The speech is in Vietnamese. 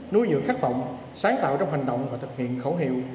nuôi dưỡng khắc phọng sáng tạo trong hành động và thực hiện khẩu hiệu